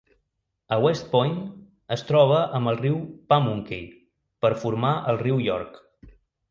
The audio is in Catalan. A West Point, es troba amb el riu Pamunkey per formar el riu York.